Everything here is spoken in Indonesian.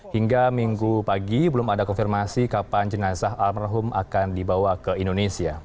hingga minggu pagi belum ada konfirmasi kapan jenazah almarhum akan dibawa ke indonesia